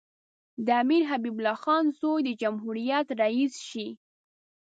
د امیر حبیب الله خان زوی د جمهوریت رییس شي.